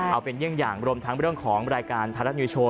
เอาเป็นอย่างรวมทั้งเรื่องของรายการธรรมดีโชว์